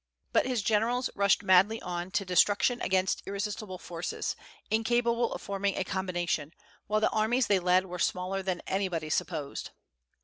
But his generals rushed madly on to destruction against irresistible forces, incapable of forming a combination, while the armies they led were smaller than anybody supposed.